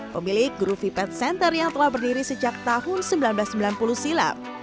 pemilik grup pipad center yang telah berdiri sejak tahun seribu sembilan ratus sembilan puluh silam